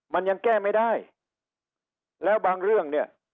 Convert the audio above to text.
มันยังแก้ไม่ได้แล้วบางเรื่องเนี่ย